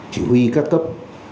chỉ huy các cấp